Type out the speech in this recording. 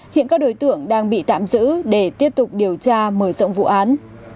hiện các đối tượng đang bị tạm giữ để tiếp tục điều tra mở rộng vụ án